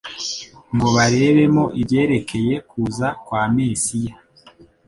ngo barebemo ibyerekeye kuza kwa Mesiya.